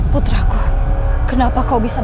putraku kenapa kau bisa berada di sini